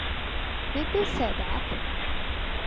Did they say that?